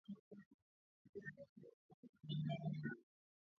Idadi ya wanaoathiriwa katika kundi